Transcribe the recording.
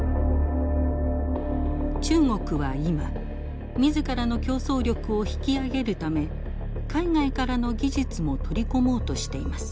中国は今自らの競争力を引き上げるため海外からの技術も取り込もうとしています。